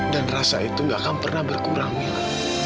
dan rasa itu gak akan pernah berkurang mila